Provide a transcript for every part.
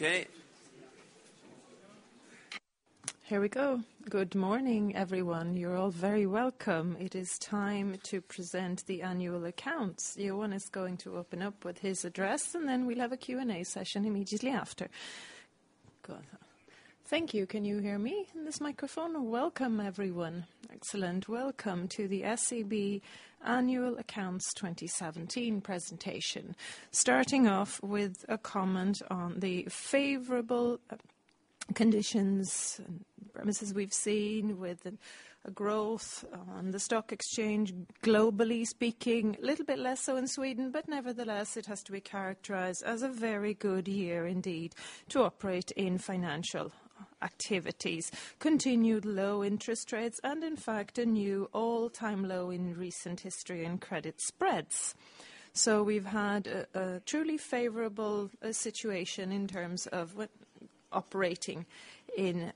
Okay. Here we go. Good morning, everyone. You're all very welcome. It is time to present the annual accounts. Johan is going to open up with his address, and then we'll have a Q&A session immediately after. Go ahead. Thank you. Can you hear me in this microphone? Welcome, everyone. Excellent. Welcome to the SEB Annual Accounts 2017 presentation. Starting off with a comment on the favorable conditions and premises we've seen with a growth on the stock exchange, globally speaking, a little bit less so in Sweden, but nevertheless, it has to be characterized as a very good year indeed to operate in financial activities. Continued low interest rates, and in fact, a new all-time low in recent history and credit spreads. We've had a truly favorable situation in terms of operating in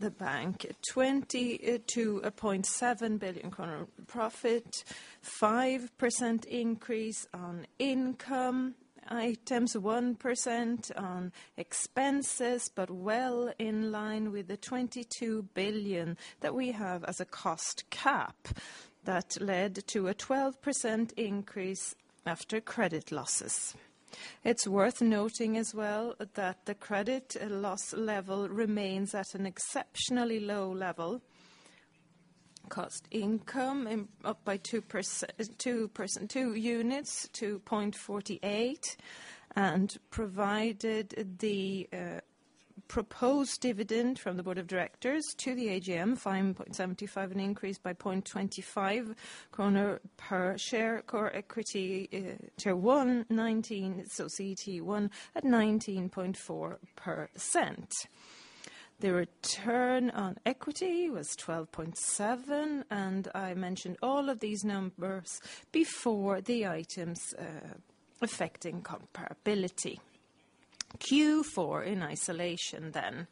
the bank. A 22.7 billion kronor profit, 5% increase on income items, 1% on expenses, but well in line with the 22 billion that we have as a cost cap that led to a 12% increase after credit losses. It's worth noting as well that the credit loss level remains at an exceptionally low level. Cost income up by two units to 0.48, and provided the proposed dividend from the board of directors to the AGM, 5.75, an increase by 0.25 kronor per share. Core equity to CET1 at 19.4%. The return on equity was 12.7%. I mentioned all of these numbers before the items affecting comparability. Q4 in isolation then.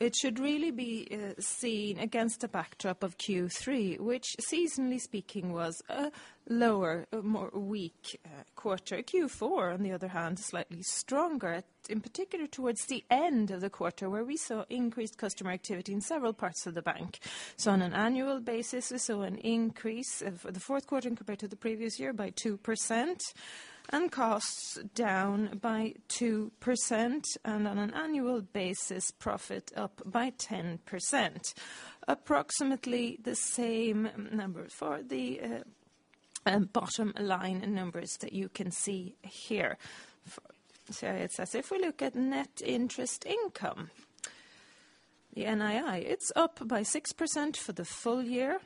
It should really be seen against a backdrop of Q3, which seasonally speaking, was a lower, more weak quarter. Q4, on the other hand, slightly stronger, in particular towards the end of the quarter, where we saw increased customer activity in several parts of the bank. On an annual basis, we saw an increase of the fourth quarter compared to the previous year by 2%, and costs down by 2%, and on an annual basis, profit up by 10%. Approximately the same number for the bottom line numbers that you can see here. If we look at net interest income, the NII, it's up by 6% for the full year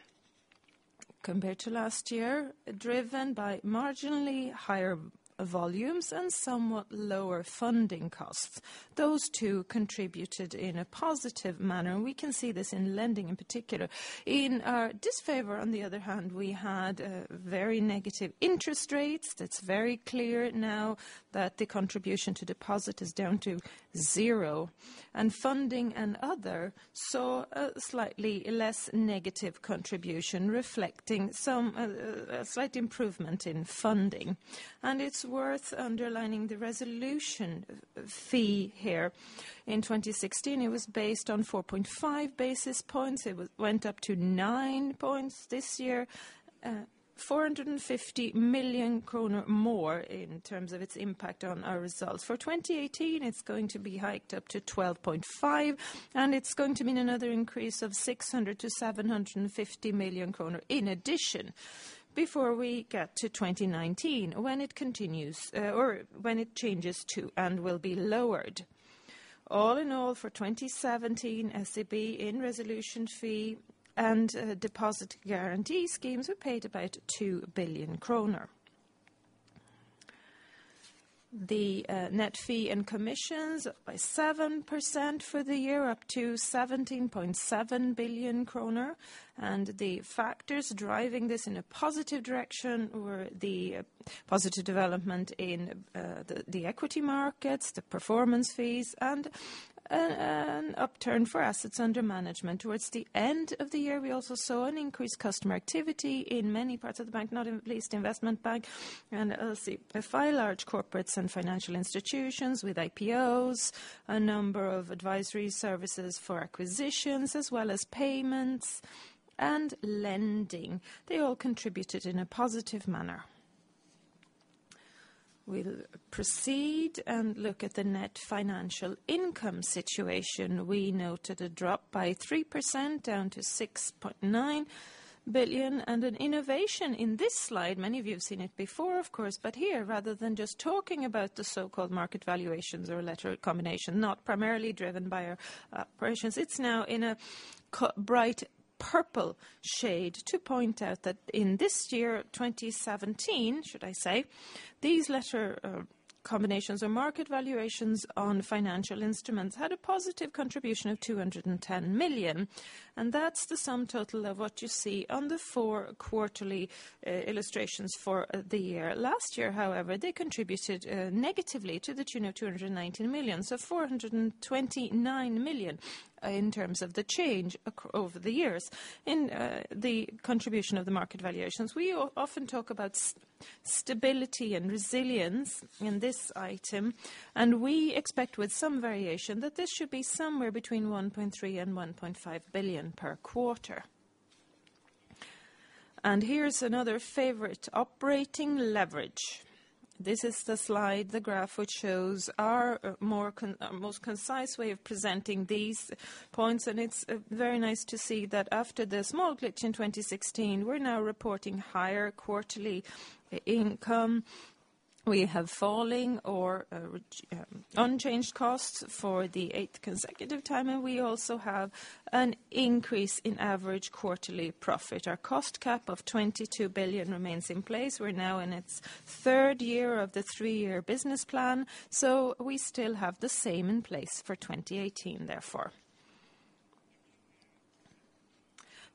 compared to last year, driven by marginally higher volumes and somewhat lower funding costs. Those two contributed in a positive manner, and we can see this in lending in particular. In our disfavor, on the other hand, we had very negative interest rates. It's very clear now that the contribution to deposit is down to zero, and funding and other saw a slightly less negative contribution reflecting a slight improvement in funding. It's worth underlining the resolution fee here. In 2016, it was based on 4.5 basis points. It went up to 9 points this year. 450 million kronor more in terms of its impact on our results. For 2018, it's going to be hiked up to 12.5 basis points, and it's going to mean another increase of 600 million-750 million kronor in addition. Before we get to 2019, when it changes too, and will be lowered. All in all, for 2017, SEB in resolution fee and deposit guarantee schemes were paid about 2 billion kronor. The net fee and commissions up by 7% for the year, up to 17.7 billion kronor. The factors driving this in a positive direction were the positive development in the equity markets, the performance fees, and an upturn for assets under management. Towards the end of the year, we also saw an increased customer activity in many parts of the bank, not in the least investment bank and LC&FI Large Corporates & Financial Institutions with IPOs, a number of advisory services for acquisitions, as well as payments and lending. They all contributed in a positive manner. We will proceed and look at the net financial income situation. We noted a drop by 3% down to 6.9 billion. An innovation in this slide, many of you have seen it before, of course, but here, rather than just talking about the so-called market valuations or letter combinations, not primarily driven by our operations, it is now in a bright purple shade to point out that in this year, 2017, should I say, these letter combinations or market valuations on financial instruments had a positive contribution of 210 million, and that is the sum total of what you see on the four quarterly illustrations for the year. Last year, however, they contributed negatively to the tune of 219 million. 429 million in terms of the change over the years in the contribution of the market valuations. We often talk about stability and resilience in this item, and we expect with some variation that this should be somewhere between 1.3 billion and 1.5 billion per quarter. Here is another favorite, operating leverage. This is the slide, the graph, which shows our most concise way of presenting these points, and it is very nice to see that after the small glitch in 2016, we are now reporting higher quarterly income. We have falling or unchanged costs for the eighth consecutive time, and we also have an increase in average quarterly profit. Our cost cap of 22 billion remains in place. We are now in its third year of the three-year business plan, we still have the same in place for 2018, therefore.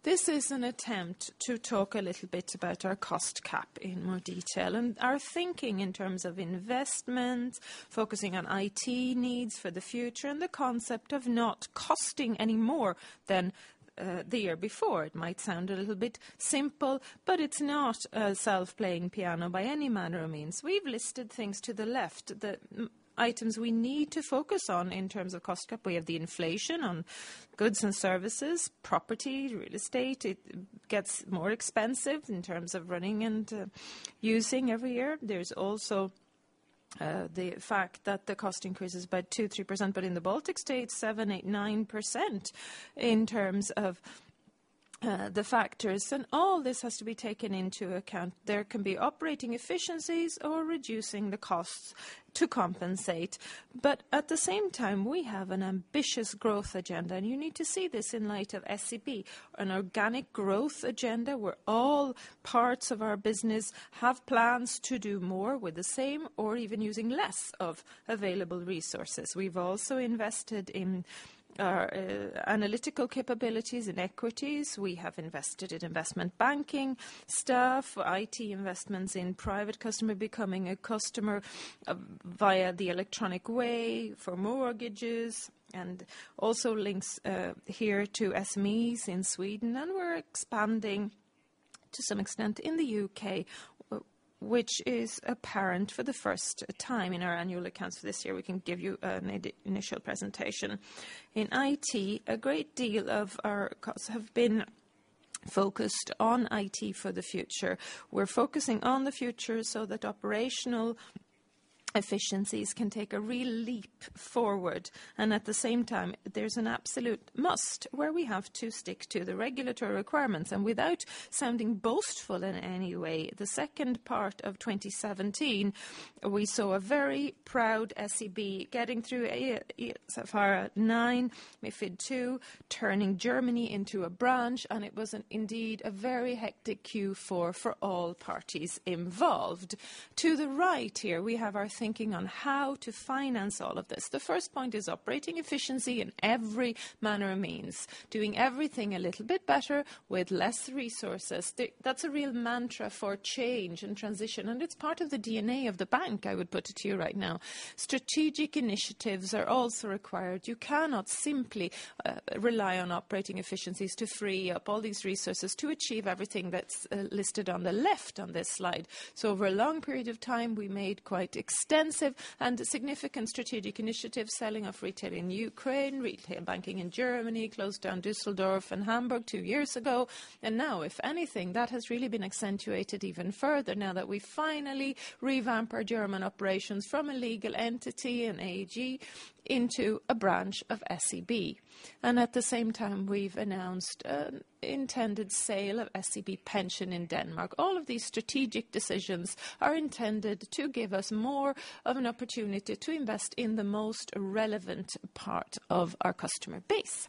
This is an attempt to talk a little bit about our cost cap in more detail and our thinking in terms of investment, focusing on IT needs for the future, and the concept of not costing any more than the year before. It might sound a little bit simple, it is not a self-playing piano by any manner or means. We have listed things to the left, the items we need to focus on in terms of cost cap. We have the inflation on goods and services, property, real estate. It gets more expensive in terms of running and using every year. There is also the fact that the cost increases by 2%, 3%, but in the Baltic States, 7%, 8%, 9% in terms of the factors. All this has to be taken into account. There can be operating efficiencies or reducing the costs to compensate. At the same time, we have an ambitious growth agenda, and you need to see this in light of SEB, an organic growth agenda where all parts of our business have plans to do more with the same or even using less of available resources. We have also invested in our analytical capabilities in equities. We have invested in investment banking staff, IT investments in private customer becoming a customer via the electronic way for mortgages, also links here to SMEs in Sweden. We're expanding to some extent in the U.K., which is apparent for the first time in our annual accounts for this year. We can give you an initial presentation. In IT, a great deal of our costs have been focused on IT for the future. We're focusing on the future so that operational efficiencies can take a real leap forward. At the same time, there's an absolute must where we have to stick to the regulatory requirements. Without sounding boastful in any way, the second part of 2017, we saw a very proud SEB getting through IFRS 9, MiFID II, turning Germany into a branch, and it was indeed a very hectic Q4 for all parties involved. To the right here, we have our thinking on how to finance all of this. The first point is operating efficiency in every manner or means, doing everything At the same time, we've announced intended sale of SEB Pension in Denmark. All of these strategic decisions are intended to give us more of an opportunity to invest in the most relevant part of our customer base.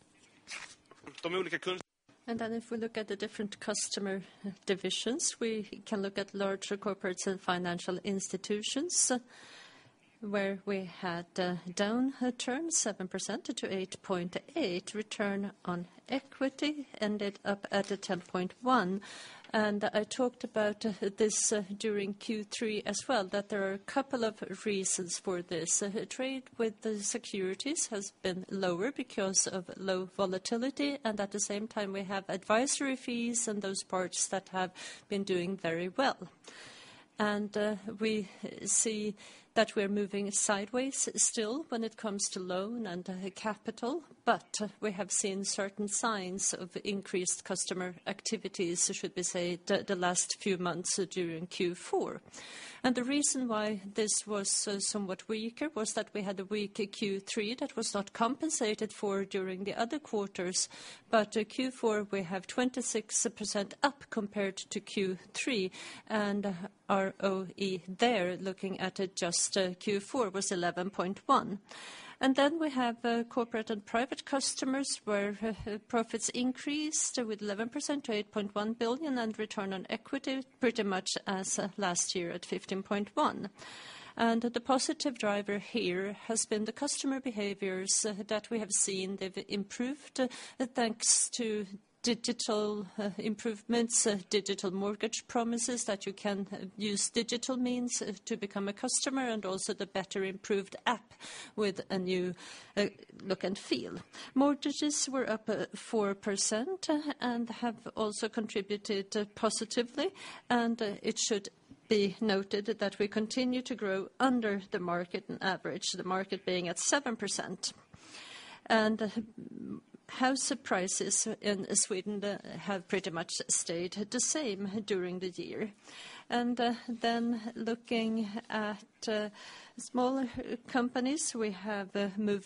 If we look at the different customer divisions, we can look at larger corporates and financial institutions, where we had down turn 7% to 8.8%. Return on equity ended up at a 10.1%. I talked about this during Q3 as well, that there are a couple of reasons for this. Trade with the securities has been lower because of low volatility, and at the same time, we have advisory fees and those parts that have been doing very well. We see that we're moving sideways still when it comes to loan and capital, but we have seen certain signs of increased customer activities, should we say, the last few months during Q4. The reason why this was somewhat weaker was that we had a weaker Q3 that was not compensated for during the other quarters. Q4, we have 26% up compared to Q3, and ROE there, looking at just Q4, was 11.1%. We have corporate and private customers where profits increased with 11% to 8.1 billion, and return on equity pretty much as last year at 15.1%. The positive driver here has been the customer behaviors that we have seen. They've improved thanks to digital improvements, digital mortgage promises that you can use digital means to become a customer, and also the better improved app with a new look and feel. Mortgages were up 4% and have also contributed positively. It should be noted that we continue to grow under the market and average, the market being at 7%. House prices in Sweden have pretty much stayed the same during the year. Looking at small companies, we have moved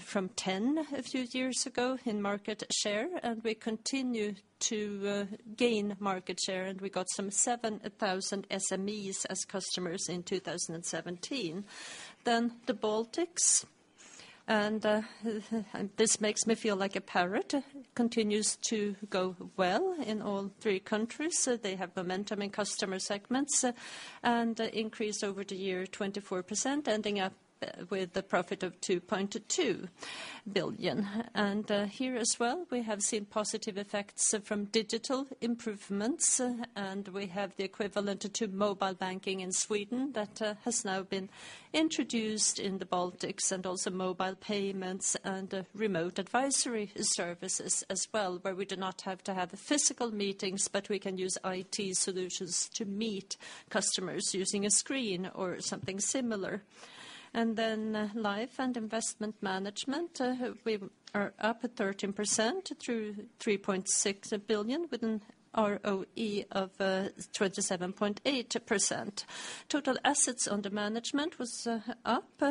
from 10 a few years ago in market share. We continue to gain market share. We got some 7,000 SMEs as customers in 2017. The Baltics, and this makes me feel like a parrot, continues to go well in all three countries. They have momentum in customer segments and increased over the year 24%, ending up with the profit of 2.2 billion. Here as well, we have seen positive effects from digital improvements. We have the equivalent to mobile banking in Sweden that has now been introduced in the Baltics and also mobile payments and remote advisory services as well, where we do not have to have physical meetings, but we can use IT solutions to meet customers using a screen or something similar. Life and investment management, we are up at 13% through 3.6 billion with an ROE of 27.8%. Total assets under management was up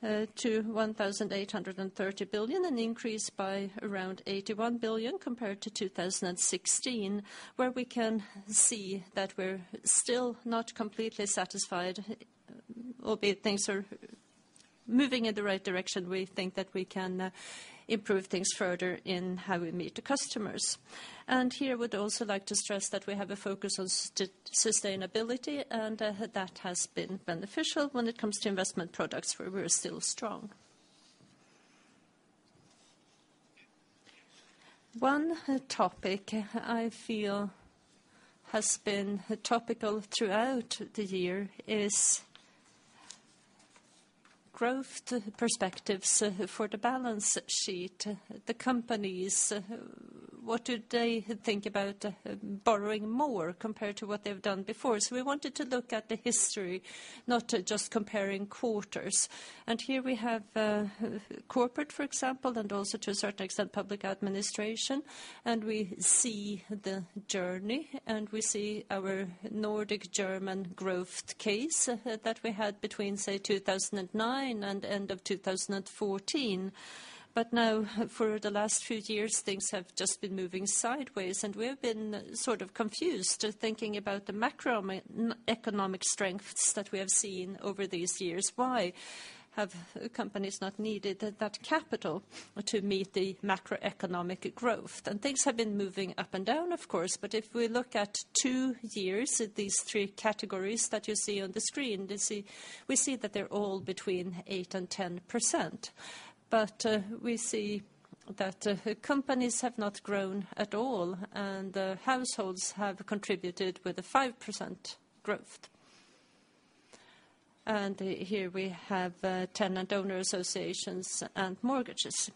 to 1,830 billion, an increase by around 81 billion compared to 2016, where we can see that we're still not completely satisfied. Albeit things are moving in the right direction, we think that we can improve things further in how we meet the customers. Here I would also like to stress that we have a focus on sustainability. That has been beneficial when it comes to investment products where we're still strong. One topic I feel has been topical throughout the year is growth perspectives for the balance sheet. The companies, what do they think about borrowing more compared to what they've done before? We wanted to look at the history, not just comparing quarters. Here we have corporate, for example, and also to a certain extent, public administration. We see the journey. We see our Nordic German growth case that we had between, say, 2009 and end of 2014. Now for the last few years, things have just been moving sideways. We've been sort of confused thinking about the macroeconomic strengths that we have seen over these years. Why have companies not needed that capital to meet the macroeconomic growth? Things have been moving up and down, of course. If we look at two years at these three categories that you see on the screen, we see that they're all between 8%-10%. We see that companies have not grown at all, and households have contributed with a 5% growth. Here we have tenant owner associations and mortgages.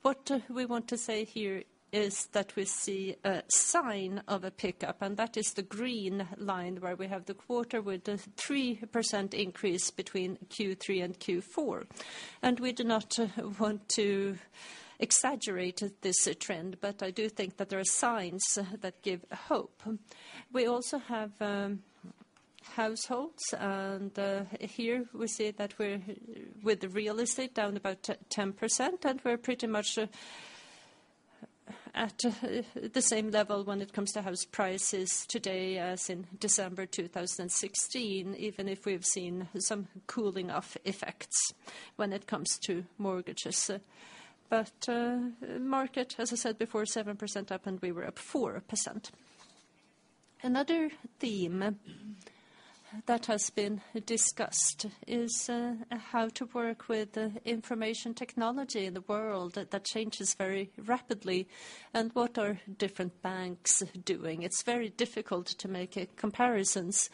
What we want to say here is that we see a sign of a pickup, and that is the green line where we have the quarter with a 3% increase between Q3 and Q4. We do not want to exaggerate this trend, but I do think that there are signs that give hope. We also have households, and here we see that we're with real estate down about 10%, and we're pretty much at the same level when it comes to house prices today as in December 2016, even if we've seen some cooling off effects when it comes to mortgages. Market, as I said before, 7% up. We were up 4%. Another theme that has been discussed is how to work with information technology in the world that changes very rapidly, and what are different banks doing. It's very difficult to make comparisons.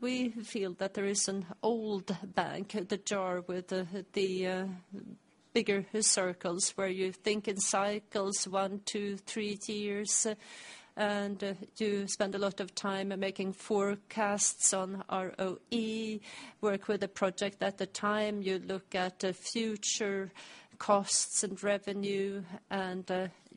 We feel that there is an old bank, the jar with the bigger circles where you think in cycles one, two, three years, and you spend a lot of time making forecasts on ROE, work with a project at a time, you look at future costs and revenue, and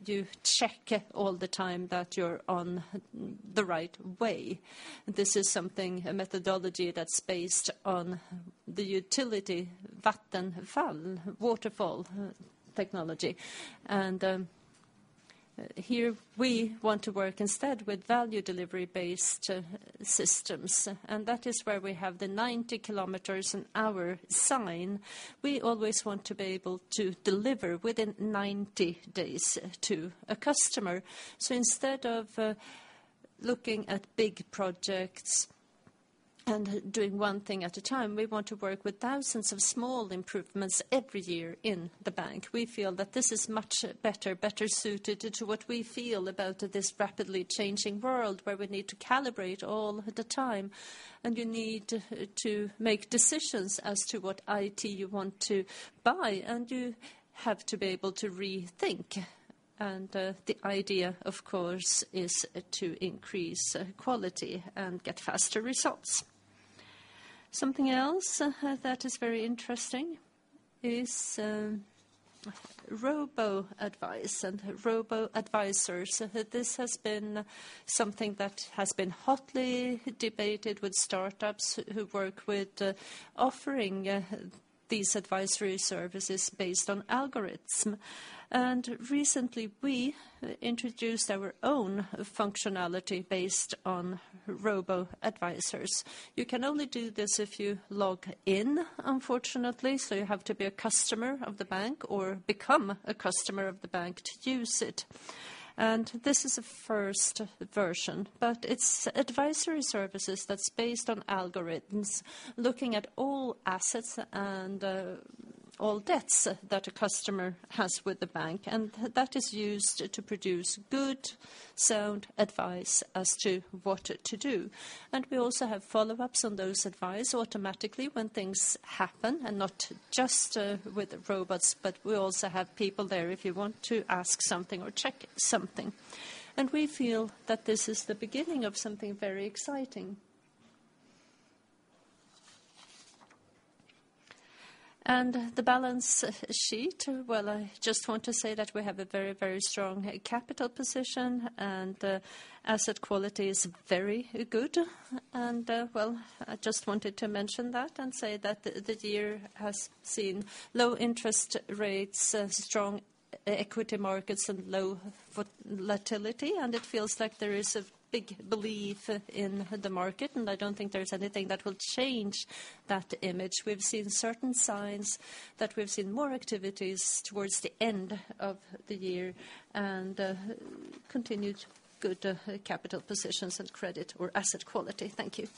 you check all the time that you're on the right way. This is something, a methodology that's based on the utility Vattenfall, waterfall technology. Here we want to work instead with value delivery-based systems. That is where we have the 90 kilometers an hour sign. We always want to be able to deliver within 90 days to a customer. Instead of looking at big projects and doing one thing at a time, we want to work with thousands of small improvements every year in the bank. We feel that this is much better suited to what we feel about this rapidly changing world where we need to calibrate all the time, and you need to make decisions as to what IT you want to buy, and you have to be able to rethink. The idea, of course, is to increase quality and get faster results. Something else that is very interesting is robo-advice and robo-advisors. This has been something that has been hotly debated with startups who work with offering these advisory services based on algorithms. Recently we introduced our own functionality based on robo-advisors. You can only do this if you log in, unfortunately. You have to be a customer of the bank or become a customer of the bank to use it. This is a first version, but it's advisory services that's based on algorithms, looking at all assets and all debts that a customer has with the bank. That is used to produce good, sound advice as to what to do. We also have follow-ups on those advice automatically when things happen, and not just with robots, but we also have people there if you want to ask something or check something. We feel that this is the beginning of something very exciting. The balance sheet. Well, I just want to say that we have a very strong capital position, and asset quality is very good. Well, I just wanted to mention that and say that the year has seen low interest rates, strong equity markets, and low volatility. It feels like there is a big belief in the market, and I don't think there's anything that will change that image. We've seen certain signs that we've seen more activities towards the end of the year and continued good capital positions and credit or asset quality. Thank you.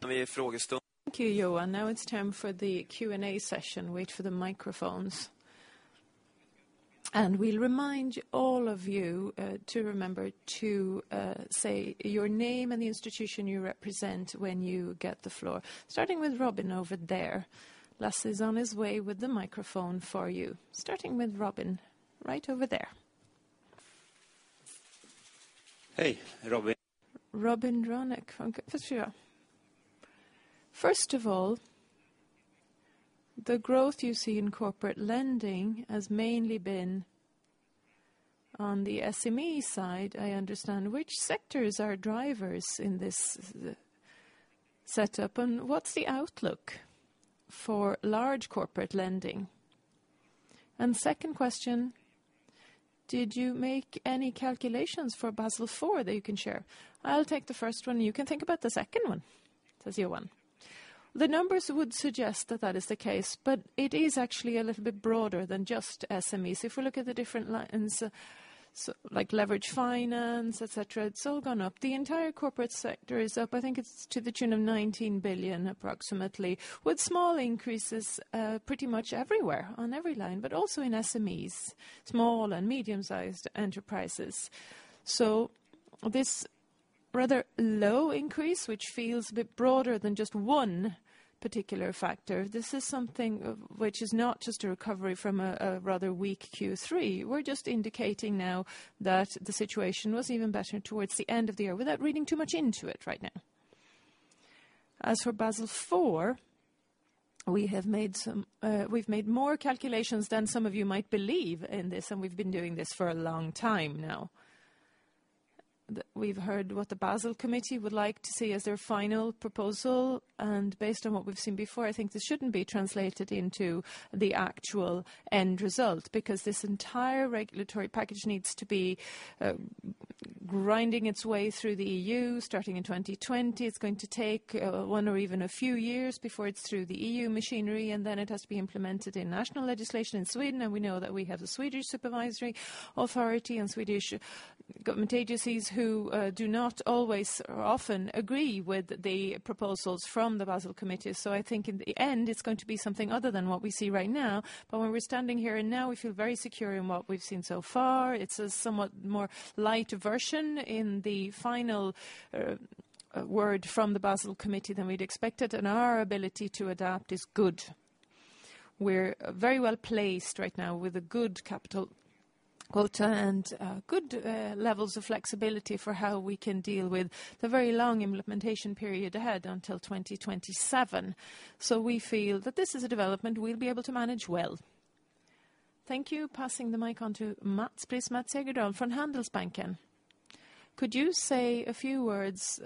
Thank you, Johan. Now it's time for the Q&A session. Wait for the microphones. We remind all of you to remember to say your name and the institution you represent when you get the floor. Starting with Robin over there. Lasse is on his way with the microphone for you. Starting with Robin, right over there. Hey, Rick. Rickard Hansson. From Nordea. First of all, the growth you see in corporate lending has mainly been on the SME side, I understand. Which sectors are drivers in this setup, and what's the outlook for large corporate lending? Second question, did you make any calculations for Basel IV that you can share? I'll take the first one. You can think about the second one, says Johan. The numbers would suggest that that is the case, but it is actually a little bit broader than just SMEs. If we look at the different lines, like leverage finance, et cetera, it's all gone up. The entire corporate sector is up. I think it's to the tune of 19 billion approximately, with small increases pretty much everywhere, on every line, but also in SMEs, small and medium-sized enterprises. This rather low increase, which feels a bit broader than just one particular factor, this is something which is not just a recovery from a rather weak Q3. We're just indicating now that the situation was even better towards the end of the year without reading too much into it right now. As for Basel IV, we've made more calculations than some of you might believe in this, and we've been doing this for a long time now. We've heard what the Basel Committee would like to see as their final proposal. Based on what we've seen before, I think this shouldn't be translated into the actual end result. This entire regulatory package needs to be grinding its way through the EU starting in 2020. It's going to take one or even a few years before it's through the EU machinery, then it has to be implemented in national legislation in Sweden. We know that we have the Swedish Supervisory Authority and Swedish government agencies who do not always often agree with the proposals from the Basel Committee. I think in the end, it's going to be something other than what we see right now. When we're standing here and now, we feel very secure in what we've seen so far. It's a somewhat more light version in the final word from the Basel Committee than we'd expected. Our ability to adapt is good. We're very well-placed right now with a good capital quota and good levels of flexibility for how we can deal with the very long implementation period ahead until 2027. We feel that this is a development we'll be able to manage well. Thank you. Passing the mic on to Mats please. Mats Gerdau from Handelsbanken. Could you say a few words?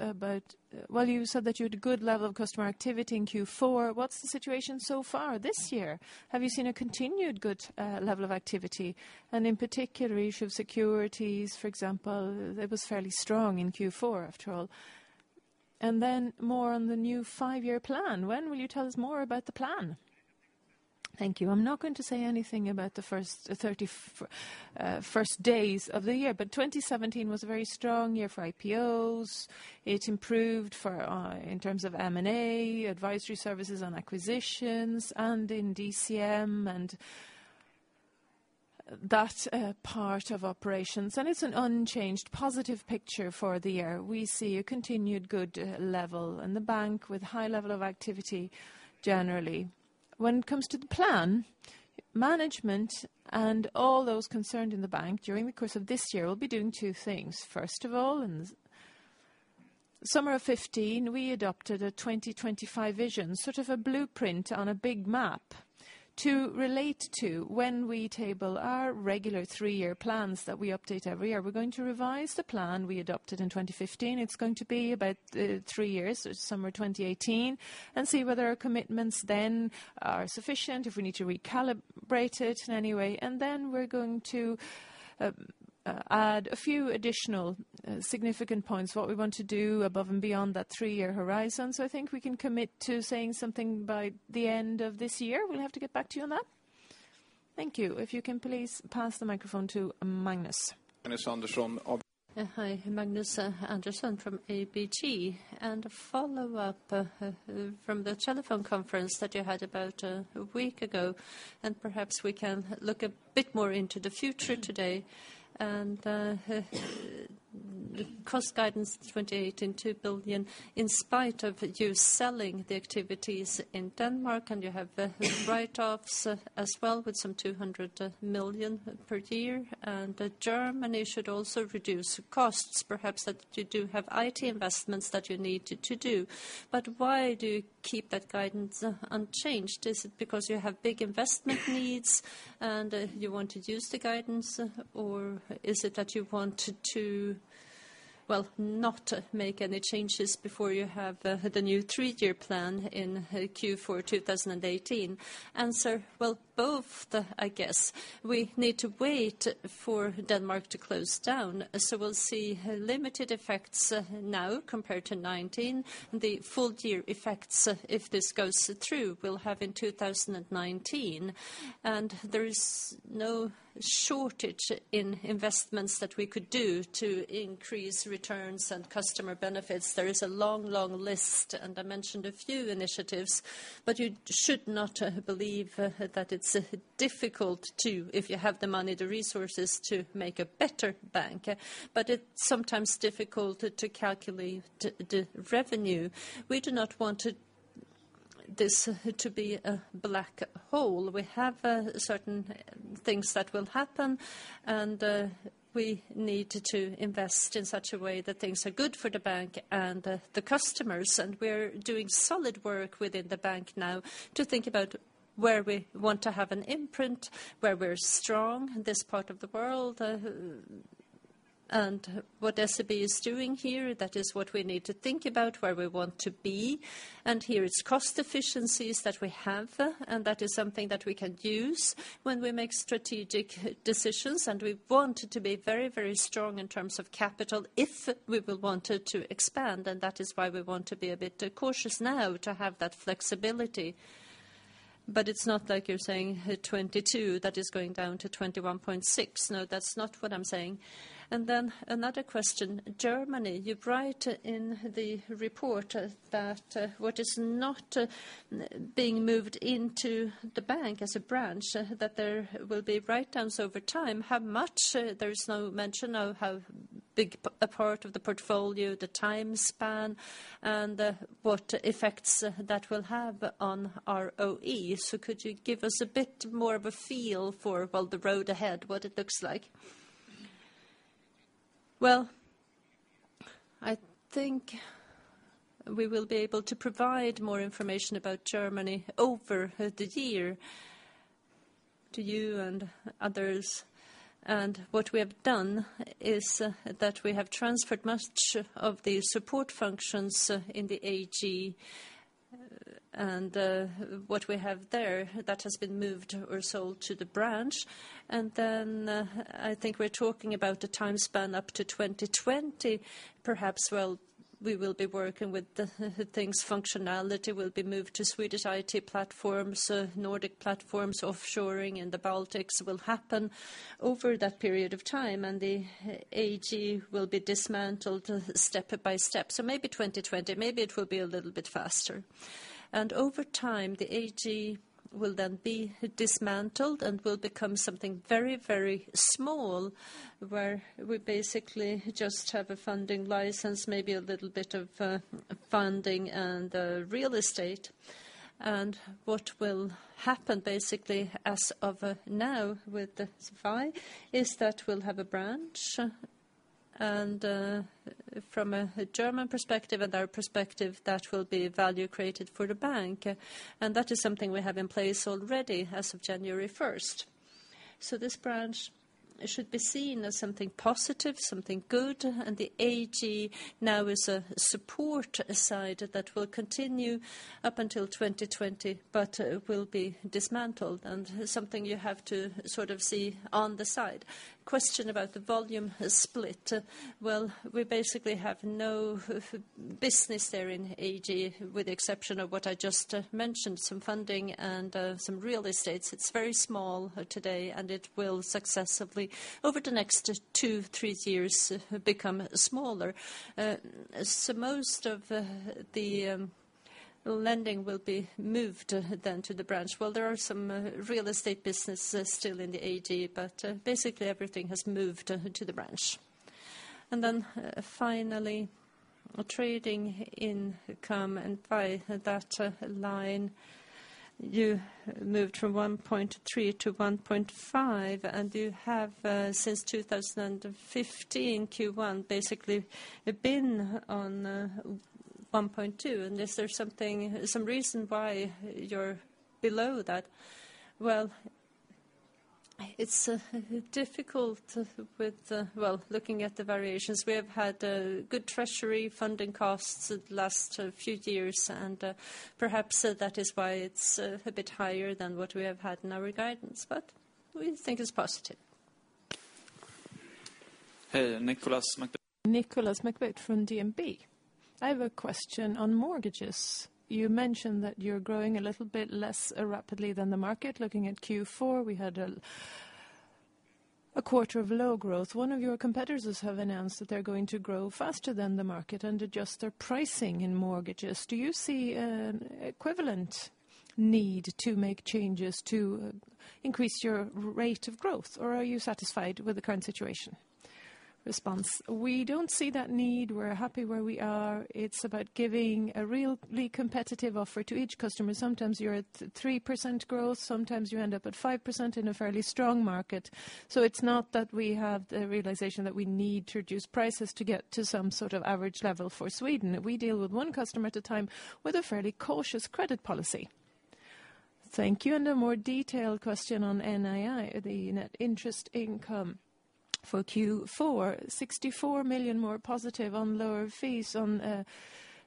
Well, you said that you had a good level of customer activity in Q4. What's the situation so far this year? Have you seen a continued good level of activity? In particular, issue of securities, for example, that was fairly strong in Q4 after all. Then more on the new five-year plan. When will you tell us more about the plan? Thank you. I'm not going to say anything about the first 30 first days of the year. 2017 was a very strong year for IPOs. It improved in terms of M&A, advisory services on acquisitions, and in DCM, and that part of operations. It's an unchanged positive picture for the year. We see a continued good level in the bank with high level of activity generally. When it comes to the plan, management and all those concerned in the bank during the course of this year will be doing two things. First of all, Summer of 2015, we adopted a 2025 vision, sort of a blueprint on a big map to relate to when we table our regular three-year plans that we update every year. We're going to revise the plan we adopted in 2015. It's going to be about three years, so summer 2018, and see whether our commitments then are sufficient, if we need to recalibrate it in any way. Then we're going to add a few additional significant points, what we want to do above and beyond that three-year horizon. I think we can commit to saying something by the end of this year. We'll have to get back to you on that. Thank you. If you can please pass the microphone to Magnus. Magnus Andersson. Hi, Magnus Andersson from ABG. A follow-up from the telephone conference that you had about a week ago, perhaps we can look a bit more into the future today. The cost guidance 2018, 22 billion, in spite of you selling the activities in Denmark, you have the write-offs as well with some 200 million per year. Germany should also reduce costs, perhaps that you do have IT investments that you need to do. Why do you keep that guidance unchanged? Is it because you have big investment needs, and you want to use the guidance? Or is it that you want to not make any changes before you have the new three-year plan in Q4 2018? Well, both, I guess. We need to wait for Denmark to close down. We'll see limited effects now compared to 2019. The full year effects, if this goes through, we'll have in 2019. There is no shortage in investments that we could do to increase returns and customer benefits. There is a long list, I mentioned a few initiatives, but you should not believe that it's difficult to, if you have the money, the resources to make a better bank. It's sometimes difficult to calculate the revenue. We do not want this to be a black hole. We have certain things that will happen, and we need to invest in such a way that things are good for the bank and the customers. We're doing solid work within the bank now to think about where we want to have an imprint, where we're strong in this part of the world. What SEB is doing here, that is what we need to think about, where we want to be. Here it's cost efficiencies that we have, and that is something that we can use when we make strategic decisions. We want to be very strong in terms of capital if we will want to expand, and that is why we want to be a bit cautious now to have that flexibility. It's not like you're saying 22, that is going down to 21.6. No, that's not what I'm saying. Then another question. Germany, you write in the report that what is not being moved into the bank as a branch, that there will be write-downs over time. How much? There is no mention of how big a part of the portfolio, the time span, and what effects that will have on our ROE. Could you give us a bit more of a feel for the road ahead, what it looks like? I think we will be able to provide more information about Germany over the year to you and others. What we have done is that we have transferred much of the support functions in the AG, and what we have there, that has been moved or sold to the branch. Then I think we're talking about a time span up to 2020, perhaps. We will be working with the things, functionality will be moved to Swedish IT platforms, Nordic platforms, offshoring in the Baltics will happen over that period of time, and the AG will be dismantled step by step. Maybe 2020, maybe it will be a little bit faster. Over time, the AG will then be dismantled and will become something very small where we basically just have a funding license, maybe a little bit of funding and real estate. What will happen basically as of now with SEB is that we'll have a branch. From a German perspective and our perspective, that will be value created for the bank. That is something we have in place already as of January 1st. This branch should be seen as something positive, something good, and the AG now is a support side that will continue up until 2020, but will be dismantled and something you have to sort of see on the side. Question about the volume split. We basically have no business there in AG with the exception of what I just mentioned, some funding and some real estates. It's very small today, and it will successively over the next two, three years become smaller. Most of the lending will be moved then to the branch. There are some real estate businesses still in the AG, but basically everything has moved to the branch. Then finally, trading income and by that line You moved from 1.3 to 1.5, and you have since 2015 Q1 basically been on 1.2. Is there some reason why you're below that? It's difficult looking at the variations. We have had good treasury funding costs the last few years, perhaps that is why it's a bit higher than what we have had in our guidance. We think it's positive. Hey, Nicolas McBeath. Nicolas McBeath from DNB. I have a question on mortgages. You mentioned that you're growing a little bit less rapidly than the market. Looking at Q4, we had a quarter of low growth. One of your competitors has announced that they're going to grow faster than the market and adjust their pricing in mortgages. Do you see an equivalent need to make changes to increase your rate of growth, or are you satisfied with the current situation? We don't see that need. We're happy where we are. It's about giving a really competitive offer to each customer. Sometimes you're at 3% growth, sometimes you end up at 5% in a fairly strong market. It's not that we have the realization that we need to reduce prices to get to some sort of average level for Sweden. We deal with one customer at a time with a fairly cautious credit policy. Thank you. A more detailed question on NII, the net interest income for Q4. 64 million more positive on lower fees on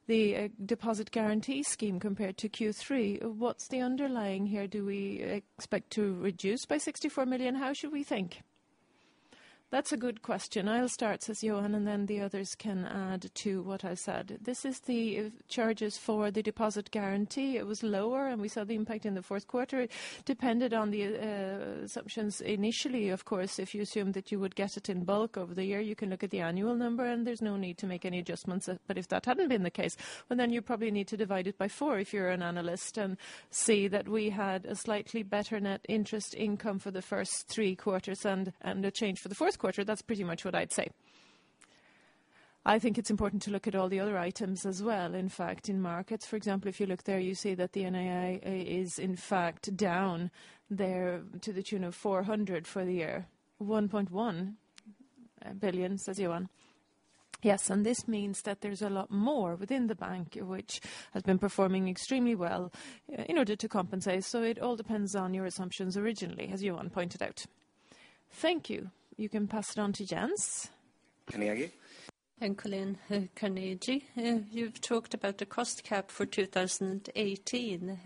the deposit guarantee scheme compared to Q3. What's the underlying here? Do we expect to reduce by 64 million? How should we think? That's a good question. I'll start, says Johan, and then the others can add to what I've said. This is the charges for the deposit guarantee. It was lower, and we saw the impact in the fourth quarter. Depended on the assumptions initially, of course. If you assume that you would get it in bulk over the year, you can look at the annual number, and there's no need to make any adjustments. If that hadn't been the case, you probably need to divide it by four if you're an analyst and see that we had a slightly better net interest income for the first three quarters and a change for the fourth quarter. That's pretty much what I'd say. I think it's important to look at all the other items as well. In fact, in markets, for example, if you look there, you see that the NII is in fact down there to the tune of 400 for the year. 1.1 billion, says Johan. Yes, this means that there's a lot more within the bank which has been performing extremely well in order to compensate. It all depends on your assumptions originally, as Johan pointed out. Thank you. You can pass it on to Jens. Carnegie. Ann Colleen, Carnegie. You've talked about the cost cap for 2018.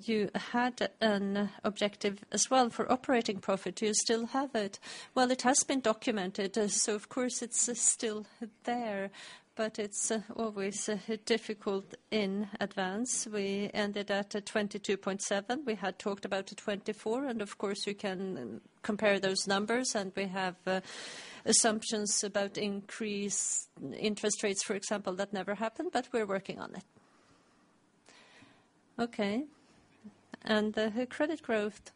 You had an objective as well for operating profit. Do you still have it? Well, it has been documented. Of course it's still there. It's always difficult in advance. We ended at 22.7. We had talked about 24. Of course, we can compare those numbers. We have assumptions about increased interest rates, for example, that never happened. We're working on it. Okay. The credit growth,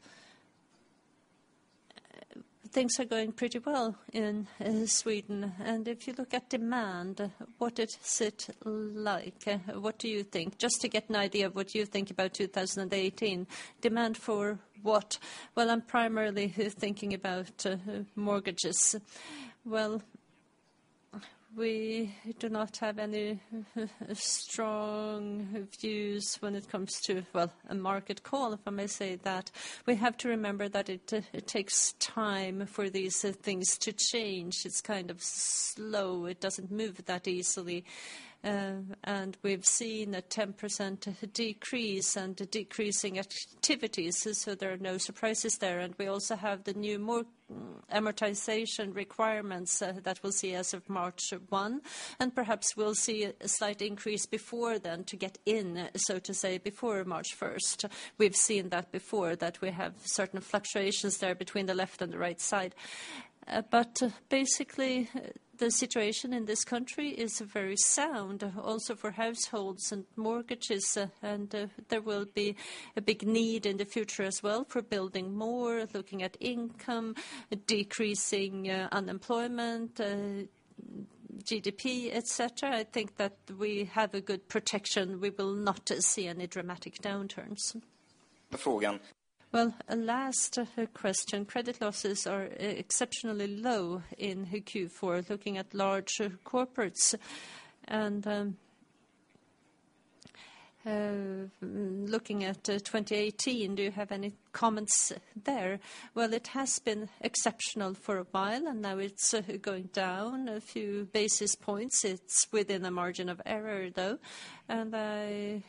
things are going pretty well in Sweden. If you look at demand, what is it like? What do you think? Just to get an idea of what you think about 2018. Demand for what? Well, I'm primarily thinking about mortgages. Well, we do not have any strong views when it comes to a market call, if I may say that. We have to remember that it takes time for these things to change. It's slow. It doesn't move that easily. We've seen a 10% decrease and decreasing activities, so there are no surprises there. We also have the new amortization requirements that we'll see as of March 1. Perhaps we'll see a slight increase before then to get in, so to say, before March 1st. We've seen that before, that we have certain fluctuations there between the left and the right side. Basically, the situation in this country is very sound, also for households and mortgages, and there will be a big need in the future as well for building more, looking at income, decreasing unemployment, GDP, et cetera. I think that we have a good protection. We will not see any dramatic downturns. The question. Well, last question. Credit losses are exceptionally low in Q4. Looking at large corporates and looking at 2018, do you have any comments there? Well, it has been exceptional for a while, and now it's going down a few basis points. It's within a margin of error, though. I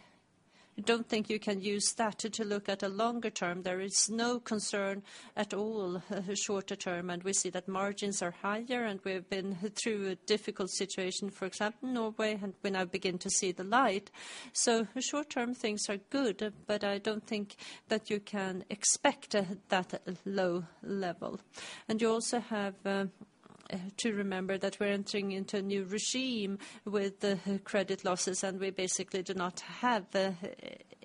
don't think you can use that to look at a longer term. There is no concern at all shorter term, and we see that margins are higher, and we've been through a difficult situation, for example, Norway, and we now begin to see the light. Short term, things are good, but I don't think that you can expect that low level. You also have to remember that we're entering into a new regime with credit losses, and we basically do not have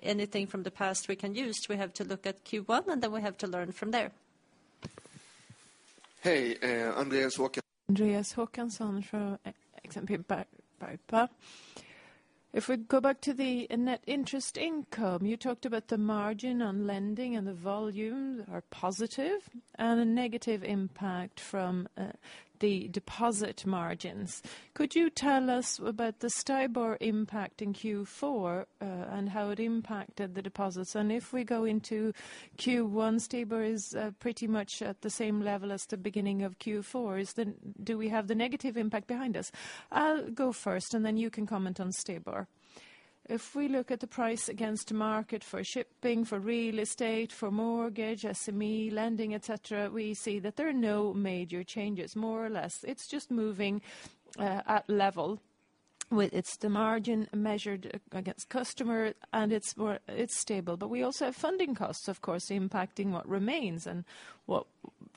anything from the past we can use. We have to look at Q1, and then we have to learn from there. Hey. Andreas Håkansson from Exane BNP Paribas. If we go back to the net interest income, you talked about the margin on lending and the volume are positive and a negative impact from the deposit margins. Could you tell us about the STIBOR impact in Q4 and how it impacted the deposits? If we go into Q1, STIBOR is pretty much at the same level as the beginning of Q4. Do we have the negative impact behind us? I'll go first, you can comment on STIBOR. If we look at the price against market for shipping, for real estate, for mortgage, SME lending, et cetera, we see that there are no major changes, more or less. It's just moving at level. It's the margin measured against customer, and it's stable. We also have funding costs, of course, impacting what remains and what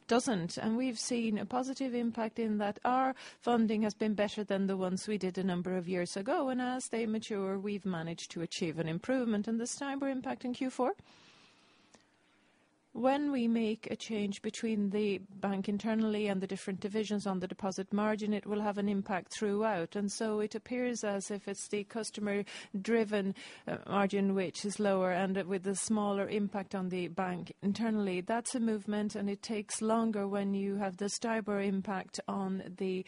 doesn't. We've seen a positive impact in that our funding has been better than the ones we did a number of years ago, and as they mature, we've managed to achieve an improvement. The STIBOR impact in Q4, when we make a change between the bank internally and the different divisions on the deposit margin, it will have an impact throughout. It appears as if it's the customer-driven margin, which is lower and with a smaller impact on the bank internally. That's a movement, and it takes longer when you have the STIBOR impact on the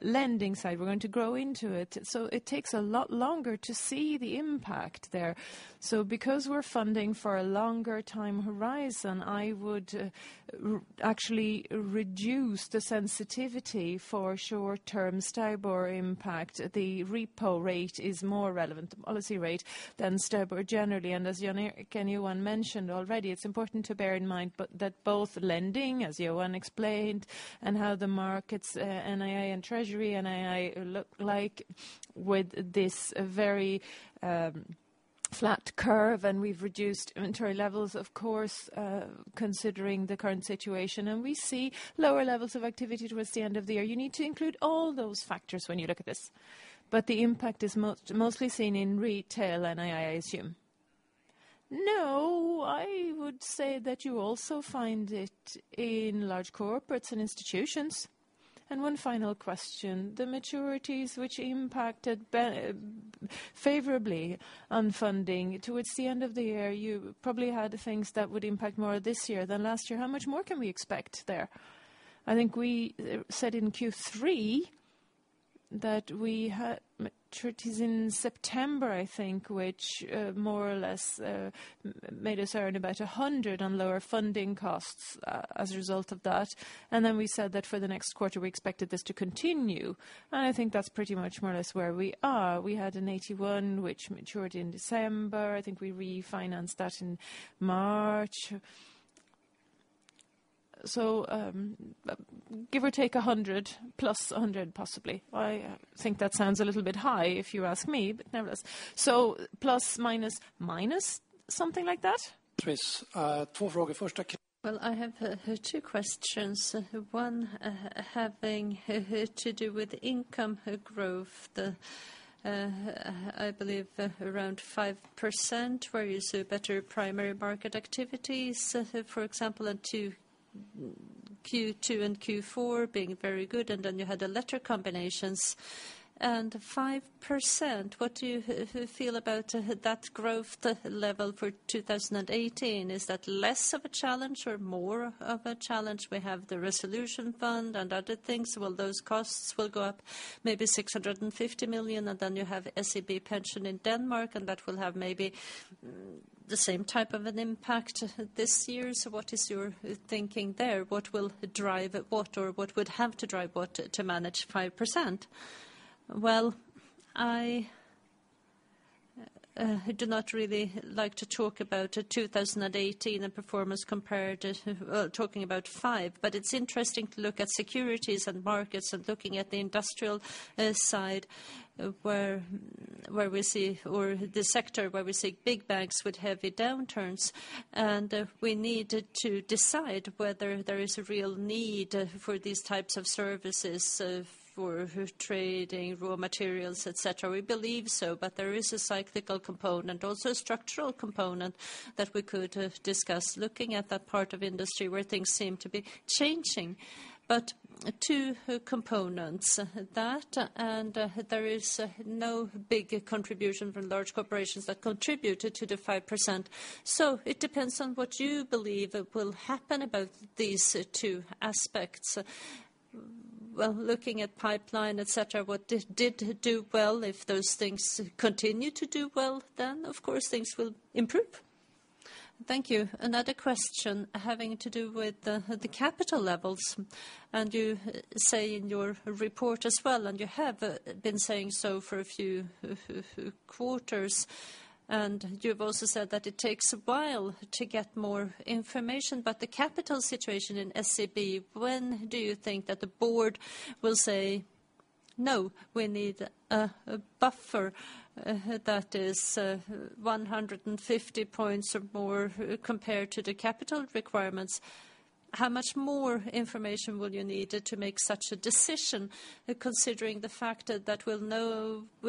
lending side. We're going to grow into it. It takes a lot longer to see the impact there. Because we're funding for a longer time horizon, I would actually reduce the sensitivity for short-term STIBOR impact. The repo rate is more relevant, the policy rate, than STIBOR generally. As Johan mentioned already, it's important to bear in mind that both lending, as Johan explained, and how the markets NII and treasury NII look like with this very flat curve. We've reduced inventory levels, of course, considering the current situation. We see lower levels of activity towards the end of the year. You need to include all those factors when you look at this. The impact is mostly seen in retail NII, I assume. No, I would say that you also find it in large corporates and institutions. One final question. The maturities which impacted favorably on funding towards the end of the year, you probably had things that would impact more this year than last year. How much more can we expect there? I think we said in Q3 that we had maturities in September, I think, which more or less made us earn about 100 on lower funding costs as a result of that. We said that for the next quarter, we expected this to continue. I think that's pretty much more or less where we are. We had an 81 which matured in December. I think we refinanced that in March. Give or take 100, +100 possibly. I think that sounds a little bit high if you ask me, but nevertheless. Plus, minus something like that? Chris. Well, I have two questions. One having to do with income growth. I believe around 5%, where you see better primary market activities, for example, and Q2 and Q4 being very good, and then you had a letter combinations. 5%, what do you feel about that growth level for 2018? Is that less of a challenge or more of a challenge? We have the resolution fund and other things. Well, those costs will go up maybe 650 million, and then you have SEB Pension in Denmark, and that will have maybe the same type of an impact this year. What is your thinking there? What will drive what, or what would have to drive what to manage 5%? Well, I do not really like to talk about 2018 and performance compared to talking about five. It's interesting to look at securities and markets and looking at the industrial side or the sector where we see big banks with heavy downturns. We need to decide whether there is a real need for these types of services for trading raw materials, et cetera. We believe so, but there is a cyclical component, also a structural component that we could discuss looking at that part of industry where things seem to be changing. Two components. That, and there is no big contribution from large corporations that contributed to the 5%. It depends on what you believe will happen about these two aspects. Well, looking at pipeline, et cetera, what did do well, if those things continue to do well, then of course things will improve. Thank you. Another question having to do with the capital levels. You say in your report as well, and you have been saying so for a few quarters, and you've also said that it takes a while to get more information. The capital situation in SEB, when do you think that the board will say, "No, we need a buffer that is 150 points or more compared to the capital requirements." How much more information will you need to make such a decision, considering the fact that we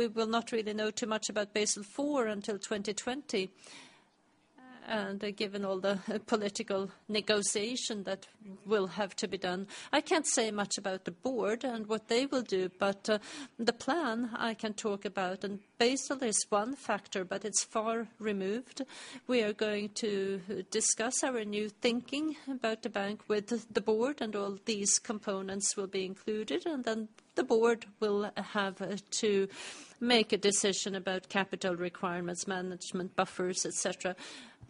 will not really know too much about Basel IV until 2020? Given all the political negotiation that will have to be done, I can't say much about the board and what they will do, but the plan I can talk about. Basel is one factor, but it's far removed. We are going to discuss our new thinking about the bank with the board, and all these components will be included, and then the board will have to make a decision about capital requirements, management, buffers, et cetera.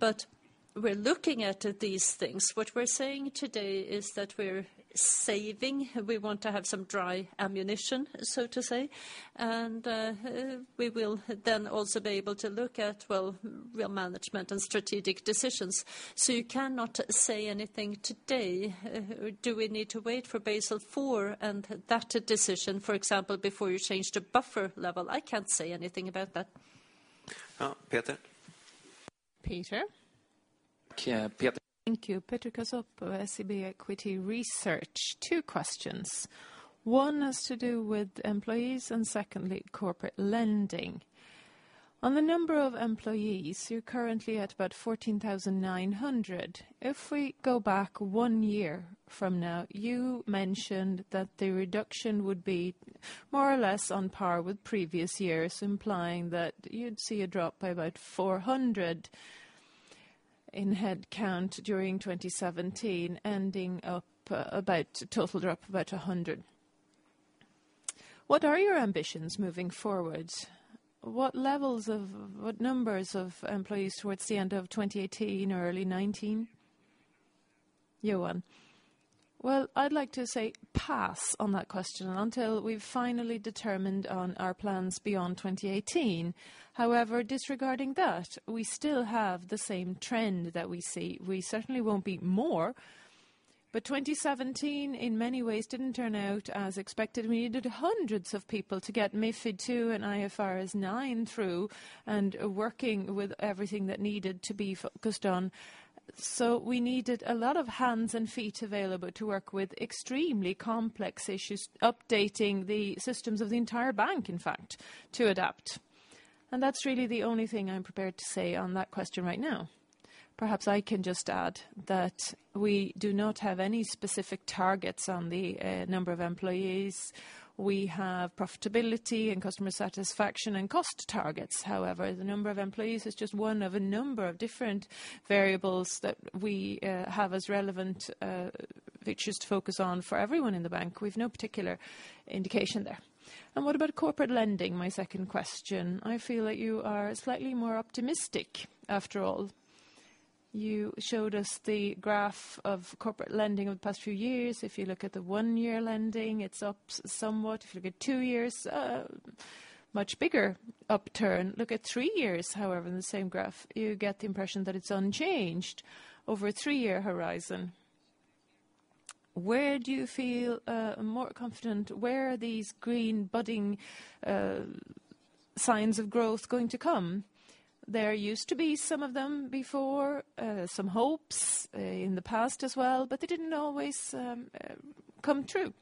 We're looking at these things. What we're saying today is that we're saving. We want to have some dry ammunition, so to say. We will then also be able to look at real management and strategic decisions. You cannot say anything today. Do we need to wait for Basel IV and that decision, for example, before you change the buffer level? I can't say anything about that. Peter. Peter. Yeah, Peter. Thank you. Petra Kassov, SEB Equity Research. Two questions. One has to do with employees, and secondly, corporate lending. On the number of employees, you're currently at about 14,900. If we go back one year from now, you mentioned that the reduction would be more or less on par with previous years, implying that you'd see a drop by about 400 in headcount during 2017, ending up a total drop of about 100. What are your ambitions moving forwards? What numbers of employees towards the end of 2018 or early 2019? Johan. Well, I'd like to say pass on that question until we've finally determined on our plans beyond 2018. However, disregarding that, we still have the same trend that we see. We certainly won't be more, but 2017 in many ways didn't turn out as expected. We needed hundreds of people to get MiFID II and IFRS 9 through and working with everything that needed to be focused on. We needed a lot of hands and feet available to work with extremely complex issues, updating the systems of the entire bank, in fact, to adapt. That's really the only thing I'm prepared to say on that question right now. Perhaps I can just add that we do not have any specific targets on the number of employees. We have profitability and customer satisfaction and cost targets. However, the number of employees is just one of a number of different variables that we have as relevant, which is to focus on for everyone in the bank. We've no particular indication there. What about corporate lending? My second question. I feel like you are slightly more optimistic. After all, you showed us the graph of corporate lending over the past few years. If you look at the one-year lending, it's up somewhat. If you look at two years, much bigger upturn. Look at three years, however, in the same graph, you get the impression that it's unchanged over a three-year horizon. Where do you feel more confident? Where are these green budding signs of growth going to come? There used to be some of them before, some hopes in the past as well, but they didn't always come true.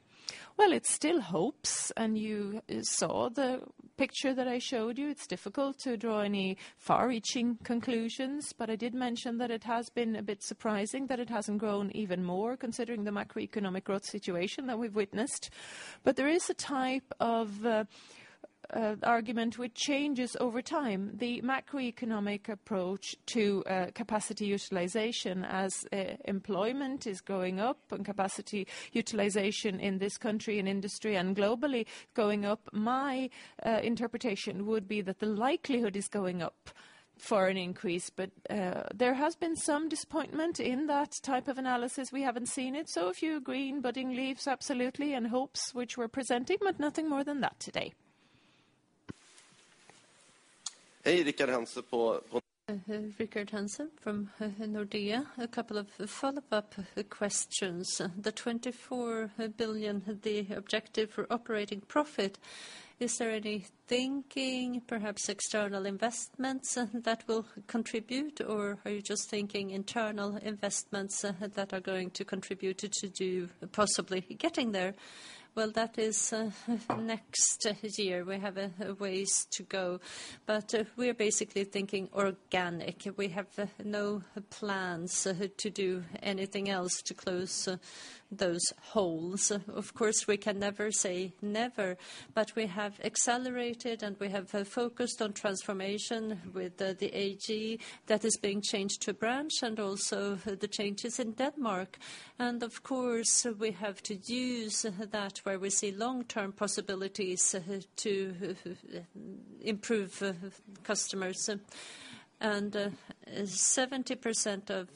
It's still hopes, and you saw the picture that I showed you. It's difficult to draw any far-reaching conclusions, but I did mention that it has been a bit surprising that it hasn't grown even more, considering the macroeconomic growth situation that we've witnessed. There is a type of argument which changes over time. The macroeconomic approach to capacity utilization as employment is going up and capacity utilization in this country and industry and globally going up. My interpretation would be that the likelihood is going up for an increase, but there has been some disappointment in that type of analysis. We haven't seen it. A few green budding leaves, absolutely, and hopes which we're presenting, but nothing more than that today. Hey, Rickard Hansson from Nordea. A couple of follow-up questions. The 24 billion, the objective for operating profit, is there any thinking, perhaps external investments that will contribute, or are you just thinking internal investments that are going to contribute to possibly getting there? That is next year. We have a ways to go. We're basically thinking organic. We have no plans to do anything else to close those holes. Of course, we can never say never, but we have accelerated, and we have focused on transformation with the AG that is being changed to branch and also the changes in Denmark. Of course, we have to use that where we see long-term possibilities to improve customers. 70% of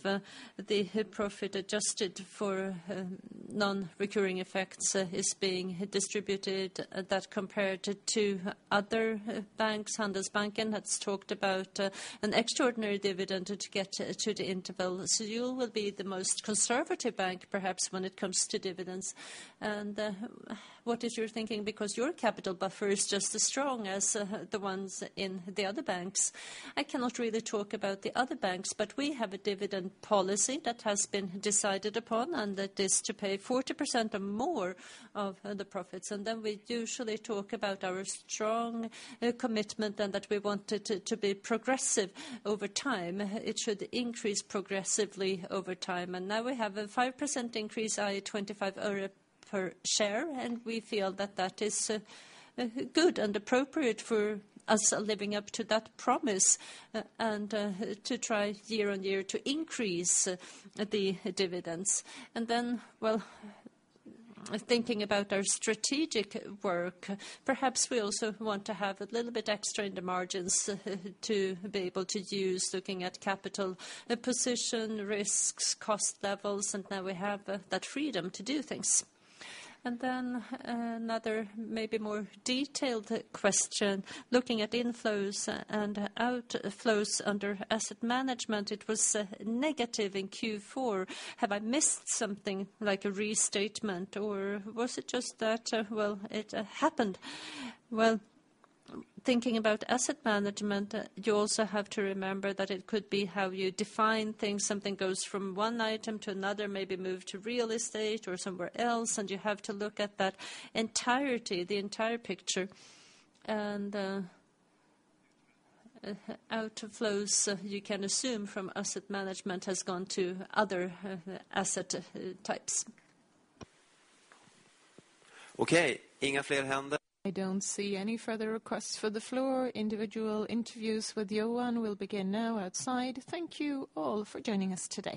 the profit adjusted for non-recurring effects is being distributed. That compared to other banks. Handelsbanken has talked about an extraordinary dividend to get to the interval. You will be the most conservative bank, perhaps, when it comes to dividends. What is your thinking? Because your capital buffer is just as strong as the ones in the other banks. I cannot really talk about the other banks, but we have a dividend policy that has been decided upon, and that is to pay 40% or more of the profits. We usually talk about our strong commitment and that we want it to be progressive over time. It should increase progressively over time. Now we have a 5% increase, i.e. SEK 0.25 per share, and we feel that that is good and appropriate for us living up to that promise and to try year on year to increase the dividends. Thinking about our strategic work, perhaps we also want to have a little bit extra in the margins to be able to use, looking at capital position, risks, cost levels, and now we have that freedom to do things. Another maybe more detailed question. Looking at inflows and outflows under asset management, it was negative in Q4. Have I missed something like a restatement, or was it just that, well, it happened? Well, thinking about asset management, you also have to remember that it could be how you define things. Something goes from one item to another, maybe move to real estate or somewhere else, you have to look at that entirety, the entire picture. Outflows, you can assume from asset management has gone to other asset types. Okay. I don't see any further requests for the floor. Individual interviews with Johan will begin now outside. Thank you all for joining us today.